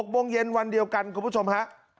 ๖โมงเย็นวันเดียวกันคุณผู้ชมฮะ